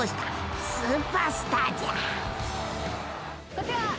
こちら。